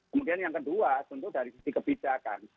kemudian yang kedua dari kebijakan